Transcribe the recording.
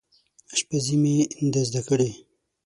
اشپزي مې ده زده کړې